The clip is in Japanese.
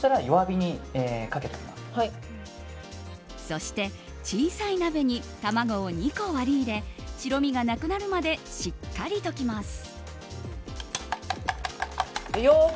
そして、小さい鍋に卵を２個割り入れ白身がなくなるまでしっかり溶きます。